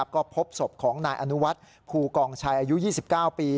ก็พบศพของนายอนุวัฒน์ภูกองชัยอายุ๒๙ปี